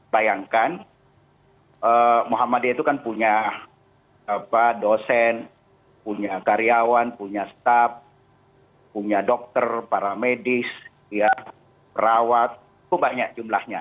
bayangkan muhammadiyah itu kan punya dosen punya karyawan punya staff punya dokter para medis perawat itu banyak jumlahnya